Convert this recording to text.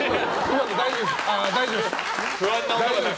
大丈夫です。